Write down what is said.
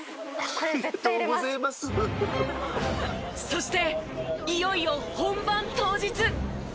そしていよいよ本番当日。